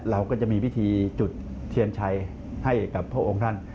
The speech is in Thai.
เราก็จะมีพิธีจุดเทียนชัยให้กับพระองค์ท่าน